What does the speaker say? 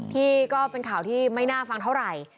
ที่เป็นข่าวที่ไม่น่าฟังเท่าไหร่